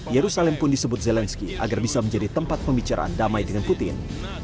yerusalem pun disebut zelensky agar bisa menjadi tempat pembicaraan damai dengan putin